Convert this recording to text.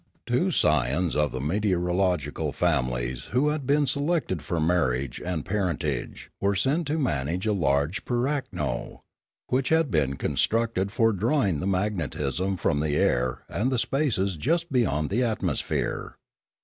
Two scions of the meteorological families, who had been selected for marriage and par entage, were sent to manage a large pirakno, which had been constructed for drawing the magnetism from the air and the spaces just beyond the atmosphere.